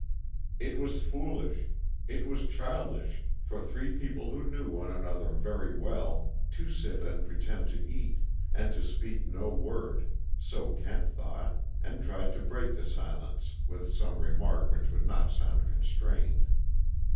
It was foolish, it was childish for three people who knew one another very well, to sit and pretend to eat, and to speak no word; so Kent thought, and tried to break the silence with some remark which would not sound constrained.